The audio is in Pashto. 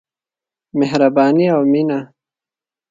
مهرباني او مينه.